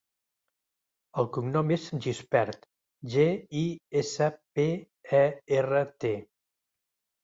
El cognom és Gispert: ge, i, essa, pe, e, erra, te.